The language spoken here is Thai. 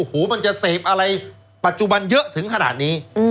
โอ้โหมันจะเสพอะไรปัจจุบันเยอะถึงขนาดนี้